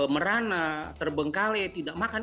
merana terbengkalai tidak makan